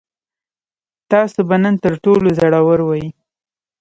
تاسو به نن تر ټولو زړور وئ.